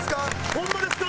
ホンマですか？